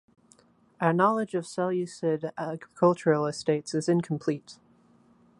Our knowledge of Seleucid agricultural estates is incomplete.